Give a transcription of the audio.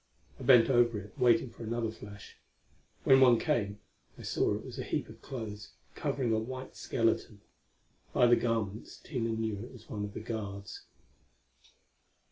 I bent over it, waiting for another flash. When one came I saw it was a heap of clothes, covering a white skeleton. By the garments Tina knew it was one of the guards.